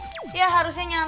tau tipe gue bangun